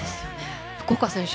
福岡選手